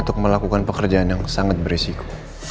untuk melakukan pekerjaan yang sangat beresiko